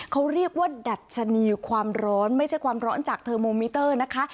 เขาเรียกว่าดัชนีความร้อนไม่ใช่ความร้อนจากเทอร์โมมิเตอร์นะคะ